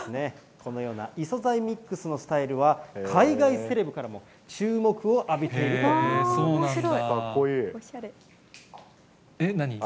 このような異素材ミックスのスタイルは、海外セレブからも注目を浴びているということです。